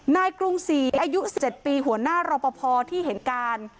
กรุงศรีอายุ๑๗ปีหัวหน้ารอปภที่เห็นการ